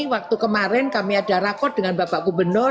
waktu kemarin kami ada rakot dengan bapak gubernur